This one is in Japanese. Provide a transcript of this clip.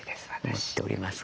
思っておりますが。